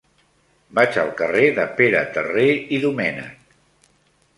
Vaig al carrer de Pere Terré i Domènech.